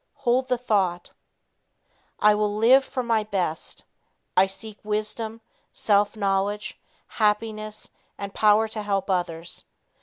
Hold the thought: "I will live for my best. I seek wisdom, self knowledge, happiness and power to help others.